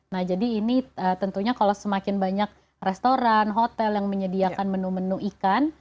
nah jadi ini tentunya kalau semakin banyak restoran hotel yang menyediakan menu menu ikan